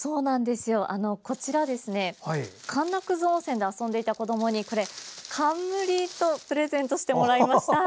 こちら、かんなくず温泉で遊んでいた子どもに冠とプレゼントしてもらいました。